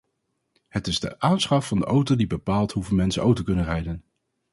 Het is de aanschaf van de auto die bepaalt hoeveel mensen auto kunnen rijden.